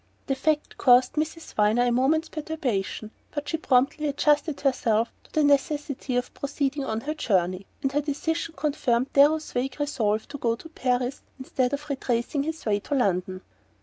The fact caused Miss Viner a moment's perturbation; but she promptly adjusted herself to the necessity of proceeding on her journey, and her decision confirmed Darrow's vague resolve to go to Paris instead of retracing his way to London.